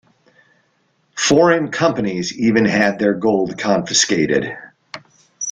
Foreign companies even had their gold confiscated.